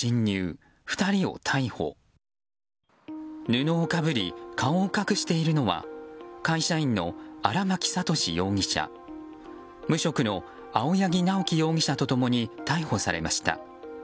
布をかぶり顔を隠しているのは会社員の荒巻悟志容疑者無職の青柳直樹容疑者と共に逮捕されました。